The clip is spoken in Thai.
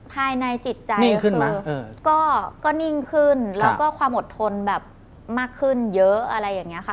ภายในจิตใจก็คือก็นิ่งขึ้นแล้วก็ความอดทนแบบมากขึ้นเยอะอะไรอย่างนี้ค่ะ